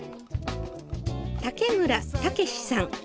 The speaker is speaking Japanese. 竹村武司さん。